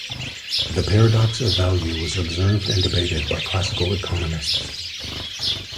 The paradox of value was observed and debated by classical economists.